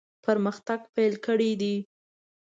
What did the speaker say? پرمختګ پیل کړی دی.